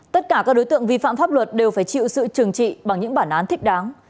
tất cả các đối tượng vi phạm pháp luật đều phải chịu sự trừng trị bằng những bản án thích đáng